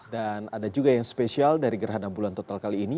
dan ada juga yang spesial dari gerhana bulan total kali ini